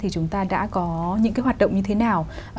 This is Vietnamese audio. thì chúng ta đã có những hoạt động như thế nào